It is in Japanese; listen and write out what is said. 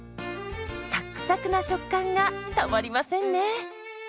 サックサクな食感がたまりませんね。